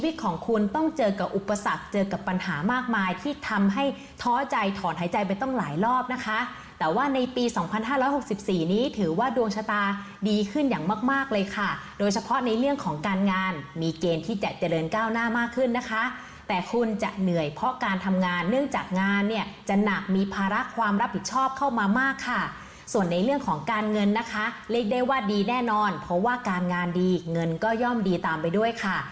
ต้องเจอกับอุปสรรคเจอกับปัญหามากมายที่ทำให้ท้อใจถอนหายใจไปต้องหลายรอบนะคะแต่ว่าในปี๒๕๖๔นี้ถือว่าดวงชะตาดีขึ้นอย่างมากเลยค่ะโดยเฉพาะในเรื่องของการงานมีเกณฑ์ที่จะเจริญก้าวหน้ามากขึ้นนะคะแต่คุณจะเหนื่อยเพราะการทำงานเนื่องจากงานเนี่ยจะหนักมีภาระความรับผิดชอบเข้ามามากค่ะส่วนในเรื่องของก